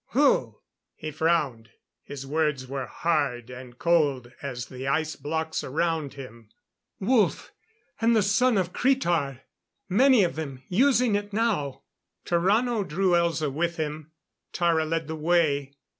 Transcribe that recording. Who?" He frowned. His words were hard and cold as the ice blocks around him. "Woolff. And the son of Cretar. Many of them using it now!" Tarrano drew Elza with him. Tara led the way.